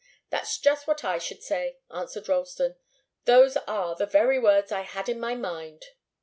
"That's just what I should say," answered Ralston. "Those are the very words I had in my mind."